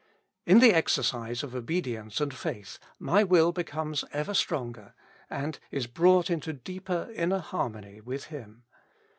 In the exercise of obedience and faith my will becomes ever stronger, and is brought into deeper inner harmony with Him.